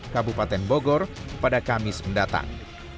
kabupaten bogor pada kamis mendatang